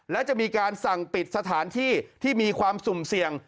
และจะมีการสั่งปิดสถานที่ที่มีความสุ่มเสี่ยง